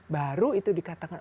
baru itu dikatakan